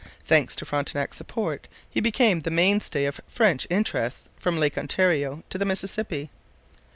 Thanks to Frontenac's support, he became the mainstay of French interests from Lake Ontario to the Mississippi.